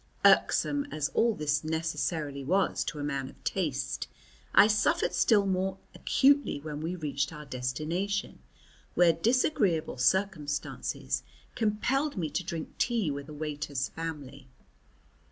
Irksome as all this necessarily was to a man of taste, I suffered still more acutely when we reached our destination, where disagreeable circumstances compelled me to drink tea with a waiter's family.